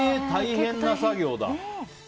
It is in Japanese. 大変な作業だ。